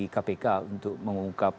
kpk untuk mengungkap